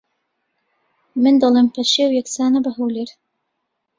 من دەڵێم پەشێو یەکسانە بە ھەولێر